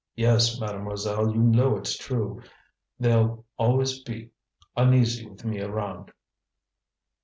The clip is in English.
Yes, Mademoiselle, you know it's true. They'll always be uneasy with me around."